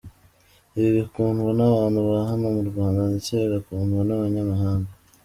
Ibi bikundwa n’abantu ba hano mu Rwanda ndetse bigakundwa n’abanyamahanga.